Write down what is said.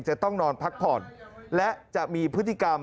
จะต้องนอนพักผ่อนและจะมีพฤติกรรม